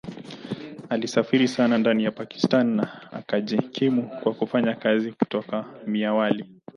Alisafiri sana ndani ya Pakistan na akajikimu kwa kufanya kazi kutoka Mianwali.